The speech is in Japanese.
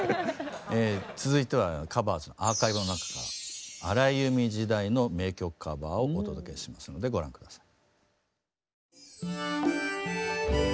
続いては「ＴｈｅＣｏｖｅｒｓ」のアーカイブの中から荒井由実時代の名曲カバーをお届けしますのでご覧下さい。